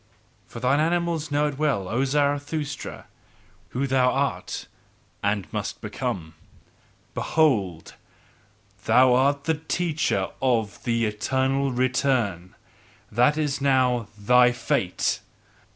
For thine animals know it well, O Zarathustra, who thou art and must become: behold, THOU ART THE TEACHER OF THE ETERNAL RETURN, that is now THY fate!